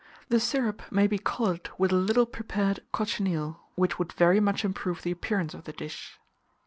The syrup may be coloured with a little prepared cochineal, which would very much improve the appearance of the dish.